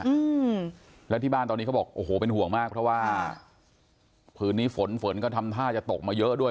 อืมแล้วที่บ้านตอนนี้เขาบอกโอ้โหเป็นห่วงมากเพราะว่าคืนนี้ฝนฝนก็ทำท่าจะตกมาเยอะด้วย